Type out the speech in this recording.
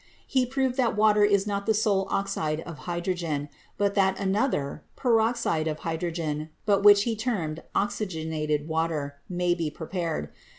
He proved that water was not the sole oxide of hydrogen, but that an other — peroxide of hydrogen, but which he termed "oxy genated water" — may be prepared.